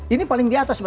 ini paling di atas